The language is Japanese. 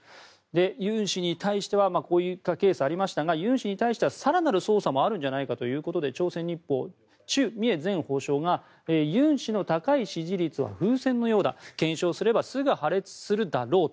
ユン氏に対してはこういったケースがありましたがユン氏に対しては更なる捜査もあるんじゃないかということで朝鮮日報はチュ・ミエ前法相がユン氏の高い支持率は風船のようだ検証すればすぐ破裂するだろうと。